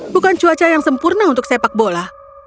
bukan cuaca yang sempurna untuk sepak bola